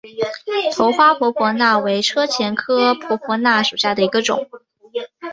头花婆婆纳为车前草科婆婆纳属下的一个种。